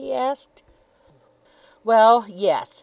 he asked. "Well, yes.